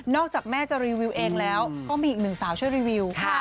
จากแม่จะรีวิวเองแล้วก็มีอีกหนึ่งสาวช่วยรีวิว